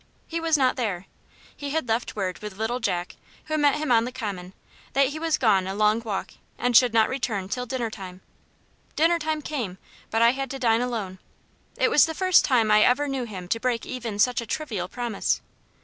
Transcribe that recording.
He was not there. He had left word with little Jack, who met him on the common, that he was gone a long walk, and should not return till dinner time. Dinner time came, but I had to dine alone. It was the first time I ever knew him break even such a trivial promise.